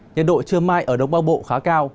nhân độ chưa mai ở đồng bắc bộ khá cao